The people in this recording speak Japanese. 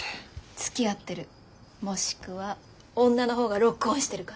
つきあってるもしくは女のほうがロックオンしてるか。